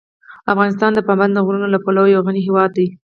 افغانستان د پابندي غرونو له پلوه یو غني هېواد دی.